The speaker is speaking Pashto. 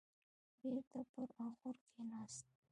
بېرته پر اخور کيناست.